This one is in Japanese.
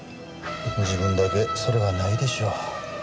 自分だけそれはないでしょう。